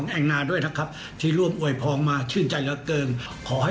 แองนาชนชื่อหน่อยค่ะ